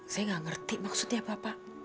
saya gak ngerti maksudnya bapak